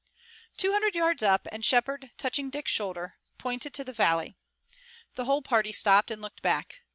Two hundred yards up, and Shepard, touching Dick's shoulder, pointed to the valley. The whole party stopped and looked back.